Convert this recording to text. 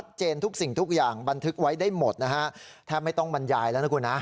ทุกสิ่งทุกอย่างบันทึกไว้ได้หมดนะฮะแทบไม่ต้องบรรยายแล้วนะคุณฮะ